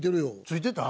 付いてた？